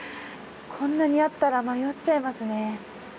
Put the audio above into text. こんなにあったら迷っちゃいますね。